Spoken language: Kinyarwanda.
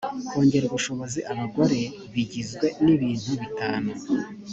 kongerera ubushobozi abagore bigizwe n’ibintu bitanu